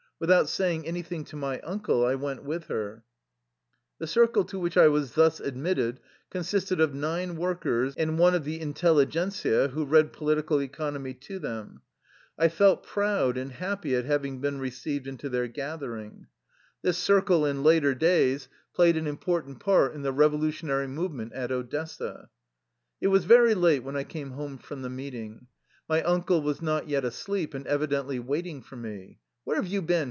Without saying anything to my uncle I went with her. The circle to which I was thus admitted con sisted of nine workers and one intelUguent who read political economy to them. I felt proud and happy at having been received into their gathering. This circle, in later days, played an 46 THE LIFE STOKY OF A RUSSIAN EXILE important part in the revolutionary movement at Odessa. It was very late when I came home from the meeting. My uncle was not yet asleep and evi dently waiting for me. "Where have you been?"